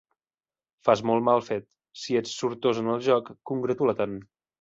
Fas molt mal fet. Si ets sortós en el joc, congratula-te'n.